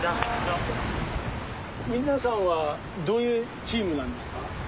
皆さんはどういうチームなんですか？